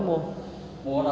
mua ở đâu